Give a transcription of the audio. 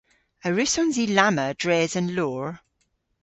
A wrussons i lamma dres an loor?